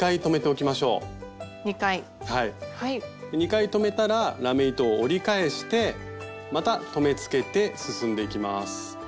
２回留めたらラメ糸を折り返してまた留めつけて進んでいきます。